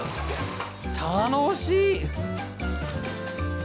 楽しい！